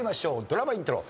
ドラマイントロ。